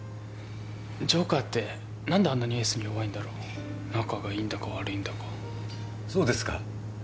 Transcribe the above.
ジョーカーって何であんなにエースに弱いんだろう仲がいいんだか悪いんだかそうですか？